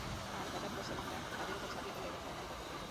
আর হঠাৎ মুসলমানরা তাদের উপর ঝাঁপিয়ে পড়ল এবং পথগুলো দখল করে নিল।